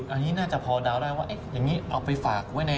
อันนี้น่าจะพอเดาได้ว่าอย่างนี้เอาไปฝากไว้ใน